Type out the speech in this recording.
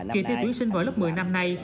kỳ thi tuyển sinh vào lớp một mươi năm nay